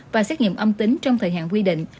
và xét nghiệm âm tính trong thời hạn quy định